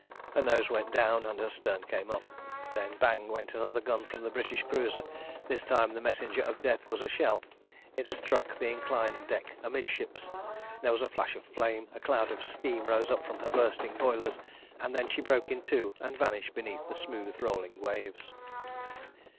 Her nose went down and her stern came up. Then bang went another gun from the British cruiser. This time the messenger of death was a shell. It struck the inclined deck amidships, there was a flash of flame, a cloud of steam rose up from her bursting boilers, and then she broke in two and vanished beneath the smooth rolling waves.